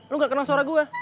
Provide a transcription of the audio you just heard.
lo gak kenal suara gue